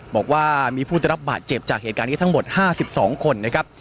บอกว่ามีผู้ได้รับบาดเจ็บจากเหตุการณ์นี้ทั้งหมด๕๒คนนะครับ